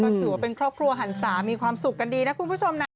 ก็ถือว่าเป็นครอบครัวหันศามีความสุขกันดีนะคุณผู้ชมนะ